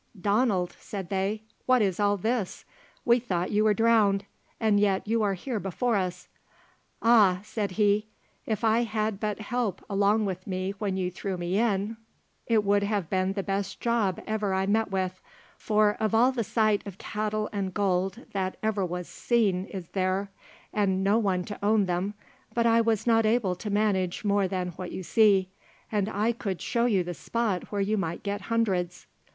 "Donald," said they, "what is all this? We thought you were drowned, and yet you are here before us." "Ah!" said he, "if I had but help along with me when you threw me in, it would have been the best job ever I met with, for of all the sight of cattle and gold that ever was seen is there, and no one to own them, but I was not able to manage more than what you see, and I could show you the spot where you might get hundreds."